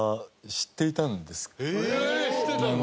知ってたの？